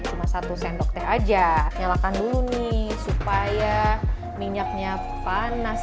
cuma satu sendok teh aja nyalakan dulu nih supaya minyaknya panas